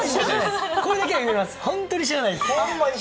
これだけは言えます、ほんまに知らないです。